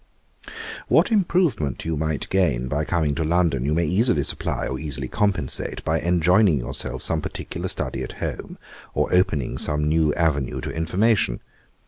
'What improvement you might gain by coming to London, you may easily supply, or easily compensate, by enjoining yourself some particular study at home, or opening some new avenue to information.